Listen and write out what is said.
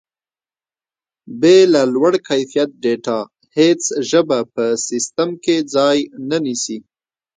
بې له لوړ کیفیت ډیټا هیڅ ژبه په سیسټم کې ځای نه نیسي.